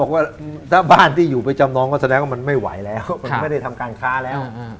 ว่าถ้าบ้านที่อยู่ไปจำนองก็แสดงว่ามันไม่ไหวแล้วมันไม่ได้ทำการค้าแล้ว